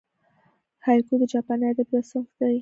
هایکو د جاپاني ادب یو صنف دئ.